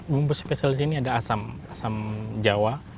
bumbu spesial di sini ada asam asam jawa